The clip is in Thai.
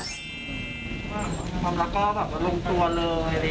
ความรักก็แบบลงตัวเลยเลย